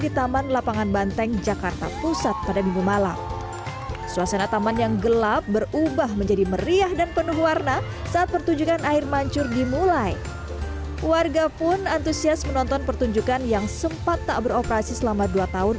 dan antusias menonton pertunjukan yang sempat tak beroperasi selama dua tahun